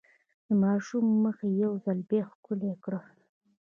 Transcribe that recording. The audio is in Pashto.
د ماشوم مخ يې يو ځل بيا ښکل کړ.